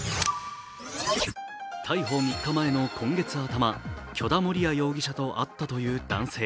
逮捕３日前の今月頭、許田盛哉容疑者と会ったという男性。